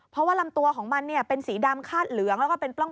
เพราะว่าลำตัวของมันเป็นสีดำคาดเหลืองแล้วก็เป็นปล้อง